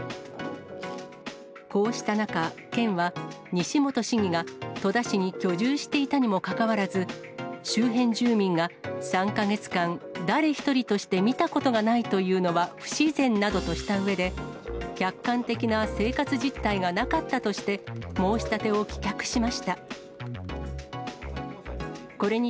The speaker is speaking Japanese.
こうした中、県は西本市議が戸田市に居住していたにもかかわらず、周辺住民が３か月間、誰一人として見たことがないというのは不自然などとしたうえで、客観的な生活実態がなかったとして、申し立てを棄却しました。